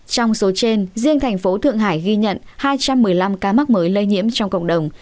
trong số trên riêng thành phố thượng hải ghi nhận hai trăm một mươi năm ca mắc mới lây nhiễm trong cộng đồng